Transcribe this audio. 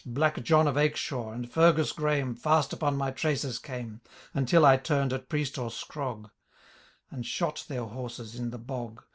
Black John of Akeshaw, and Fergus Graemoj Fast upon my traces came. Until I tum'd at Priesthaugh Scrogg, And shot their horses in the bog.